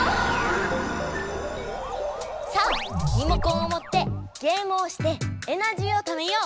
さあリモコンをもってゲームをしてエナジーをためよう！